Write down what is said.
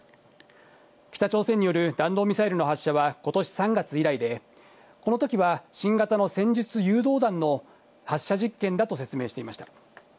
北朝鮮による弾道ミサイルの発射は、ことし３月以来で、このときは、新型の戦術誘導弾の発射実験だと説明していました。